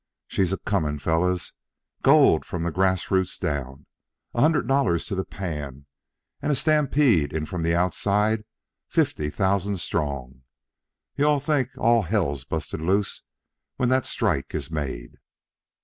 She's a coming, fellows, gold from the grass roots down, a hundred dollars to the pan, and a stampede in from the Outside fifty thousand strong. You all'll think all hell's busted loose when that strike is made."